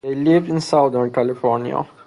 They lived in southern California.